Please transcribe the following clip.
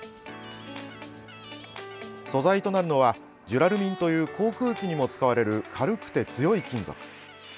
素材となるのはジュラルミンという航空機にも使われる軽くて強い金属。